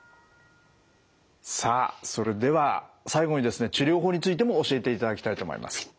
さあそれでは最後にですね治療法についても教えていただきたいと思います。